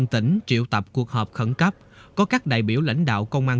trong ba bữa này